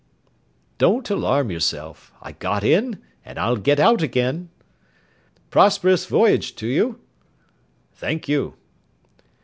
"Don't alarm yourself. I got in and I'll get out again." "Prosperous voyage to you!" "Thank you."